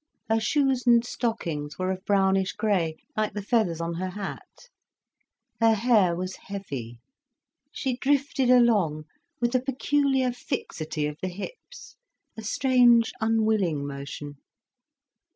Her shoes and stockings were of brownish grey, like the feathers on her hat, her hair was heavy, she drifted along with a peculiar fixity of the hips, a strange unwilling motion.